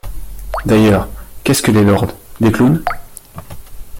D’ailleurs, qu’est-ce que les lords? des clowns.